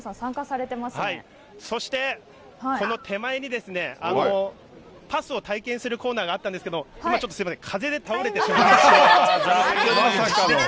そして、この手前にパスを体験するコーナーがあったんですが、今、すいません、風で倒れてしまいまして。